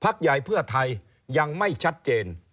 ใหญ่เพื่อไทยยังไม่ชัดเจน